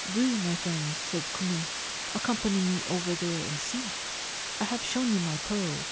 * Do, my friends/ said Kume, ' accompany me over there and see. I have shown you my pearls.